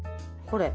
これ。